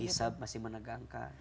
kisah masih menegangkan